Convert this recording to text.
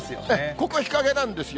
ここ、日陰なんですよ。